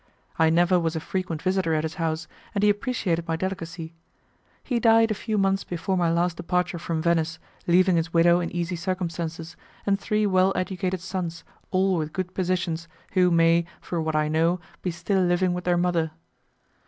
I never was a frequent visitor at his house, and he appreciated my delicacy. He died a few months before my last departure from Venice, leaving his widow in easy circumstances, and three well educated sons, all with good positions, who may, for what I know, be still living with their mother.